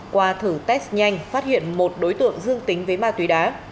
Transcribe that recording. qua thử test nhanh phát hiện một đối tượng dương tính với ma túy đá